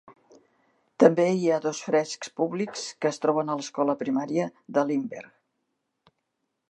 També hi ha dos frescs públics que es troben a l'escola primaria de Lindbergh.